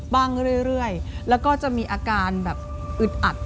บ้างเรื่อยแล้วก็จะมีอาการอึดอัด